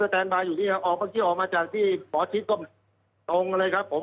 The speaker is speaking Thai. ผมยังสแตนบาร์อยู่ที่นี่ครับออกเมื่อกี้ออกมาจากที่บอสทิศกรมตรงเลยครับผม